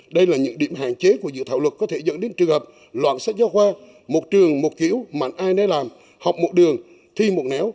đây là những điểm hạn chế của dự thảo luật có thể dẫn đến trường hợp loạn sách giáo khoa một trường một kiểu mạnh ai nấy làm học một đường thi một néo